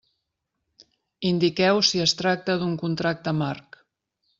Indiqueu si es tracta d'un contracte marc.